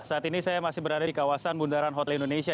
saat ini saya masih berada di kawasan bundaran hotel indonesia